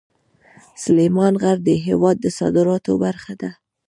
سلیمان غر د هېواد د صادراتو برخه ده.